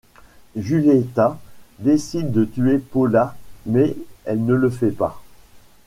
Julieta décide de tuer Paula mais elle ne le fait pas.